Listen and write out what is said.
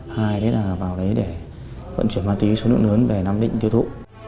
hai đấy là vào đấy để vận chuyển ma túy xuống nước lớn về nam định tiêu thụ